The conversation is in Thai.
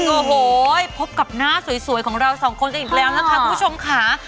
โอ้โหพบกับหน้าสวยของเราสองคนกันอีกแล้วนะคะคุณผู้ชมค่ะ